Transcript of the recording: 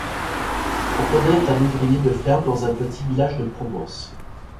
Antonin est un ouvrier de ferme dans un petit village de Provence.